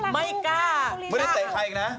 ไม่กล้าไม่ได้เตะใครอีกนะ